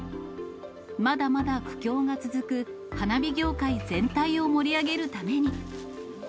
まだまだ不況が続く花火業界全体を盛り上げるために。